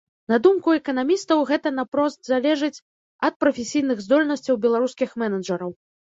На думку эканамістаў, гэта наўпрост залежыць ад прафесійных здольнасцяў беларускіх менеджараў.